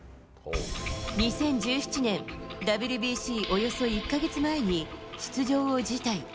２０１７年、ＷＢＣおよそ１か月前に出場を辞退。